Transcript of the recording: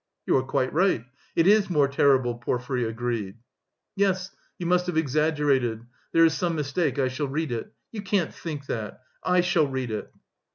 "You are quite right, it is more terrible," Porfiry agreed. "Yes, you must have exaggerated! There is some mistake, I shall read it. You can't think that! I shall read it."